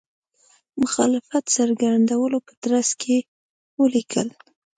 مخالفت څرګندولو په ترڅ کې ولیکل.